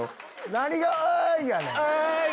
何が「あい」やねん！